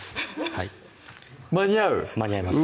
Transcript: はい間に合う間に合います